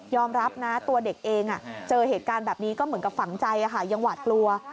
รับนะตัวเด็กเองเจอเหตุการณ์แบบนี้ก็เหมือนกับฝังใจยังหวาดกลัว